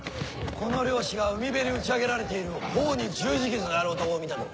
この漁師が海辺に打ち上げられている頬に十字傷がある男を見たと。